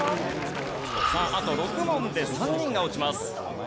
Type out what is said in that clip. さああと６問で３人が落ちます。